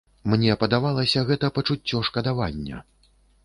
Мне падавалася, гэта пачуццё шкадавання.